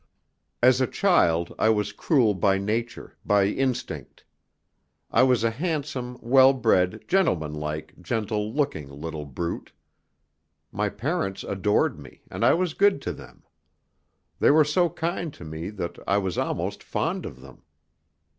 As a child I was cruel by nature, by instinct. I was a handsome, well bred, gentlemanlike, gentle looking little brute. My parents adored me, and I was good to them. They were so kind to me that I was almost fond of them.